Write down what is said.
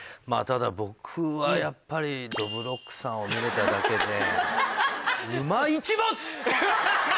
ただ僕はやっぱりどぶろっくさんを見れただけで。